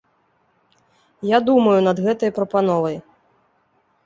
Я думаю над гэтай прапановай.